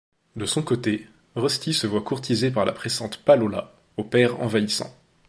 De son côté, Rusty se voit courtisé par la pressante Palola, au père envahissant.